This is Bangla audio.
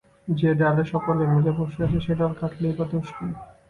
যে ডালে সকলে মিলে বসে আছি সে ডাল কাটলেই বা দোষ কী?